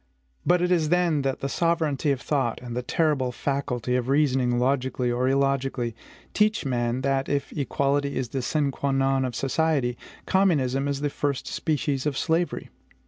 But it is then that the sovereignty of thought, and the terrible faculty of reasoning logically or illogically, teach man that, if equality is the sine qua non of society, communism is the first species of slavery.